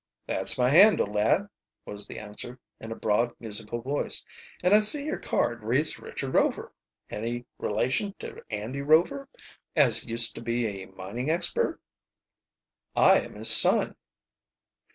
"That's my handle, lad," was the answer, in a broad, musical voice. "And I see your card reads Richard Rover. Any relation to Andy Rover, as used to be a mining expert?" "I am his son."